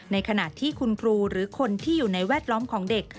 ในขณะที่คุณครูหรือคนที่อยู่ในแวดล้อมของเด็ก